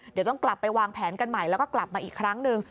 เดี๋ยวต้องกลับไปวางแผนกันใหม่แล้วก็กลับมาอีกครั้งหนึ่ง